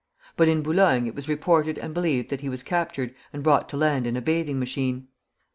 But in Boulogne it was reported and believed that he was captured and brought to land in a bathing machine.